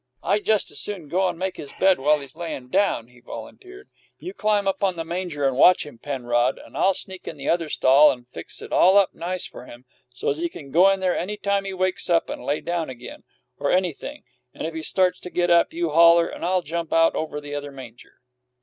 "I just as soon go and make his bed up while he's layin' down," he volunteered. "You climb up on the manger and watch him, Penrod, and I'll sneak in the other stall and fix it all up nice for him, so's he can go in there any time when he wakes up, and lay down again, or anything; and if he starts to get up, you holler and I'll jump out over the other manger."